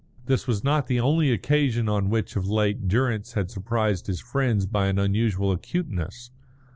This was not the only occasion on which of late Durrance had surprised his friends by an unusual acuteness.